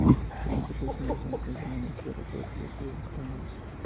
En esta ocasión, Nelson fue finalmente derrotado por las fuerzas españolas.